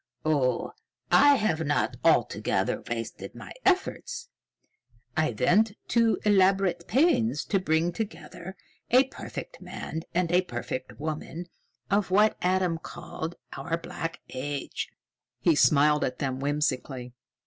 "Oh, I have not altogether wasted my efforts. I went to elaborate pains to bring together a perfect man and a perfect woman of what Adam called our Black Age." He smiled at them whimsically.